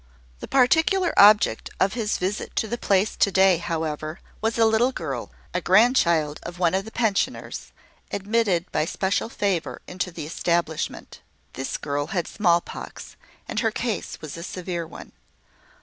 The particular object of his visit to the place to day, however, was a little girl, a grandchild of one of the pensioners, admitted by special favour into the establishment. This girl had small pox, and her case was a severe one.